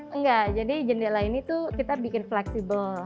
enggak jadi jendela ini tuh kita bikin fleksibel